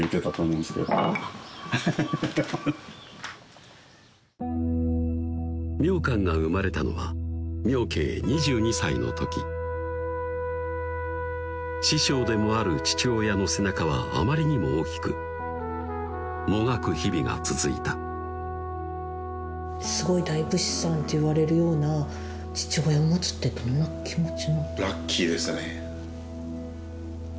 その時現れた父・明慶もしあの明観が生まれたのは明慶２２歳の時師匠でもある父親の背中はあまりにも大きくもがく日々が続いたすごい大佛師さんと言われるような父親を持つってどんな気持ち？